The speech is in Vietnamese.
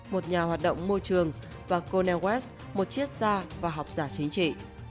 một nhà hoạt động môi trường và cornel west một chiếc da và học giả chính trị